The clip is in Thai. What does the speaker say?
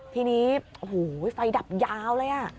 ทีนี้โอ้โหไฟดับยาวเลย